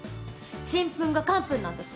ちんぷんがかんぷんなんです。